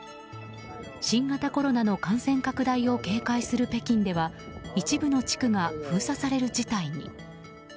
新型コロナの感染拡大を警戒する北京では一部の地区が封鎖される事態に。